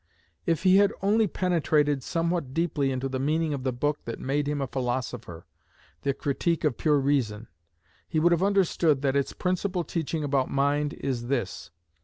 If he had only penetrated somewhat deeply into the meaning of the book that made him a philosopher, "The Critique of Pure Reason," he would have understood that its principal teaching about mind is this.